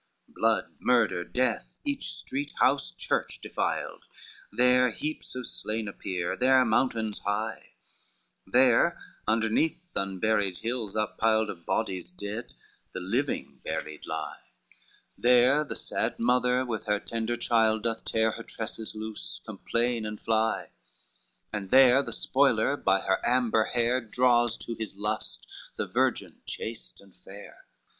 XXX Blood, murder, death, each street, house, church defiled, There heaps of slain appear, there mountains high; There underneath the unburied hills up piled Of bodies dead, the living buried lie; There the sad mother with her tender child Doth tear her tresses loose, complain and fly, And there the spoiler by her amber hair Draws to his lust the virgin chaste and fair.